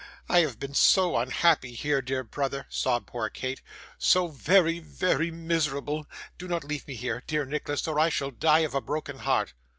'I have been so unhappy here, dear brother,' sobbed poor Kate; 'so very, very miserable. Do not leave me here, dear Nicholas, or I shall die of a broken heart.